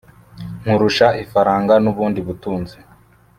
Nkurusha ifaranga nubundi butunzi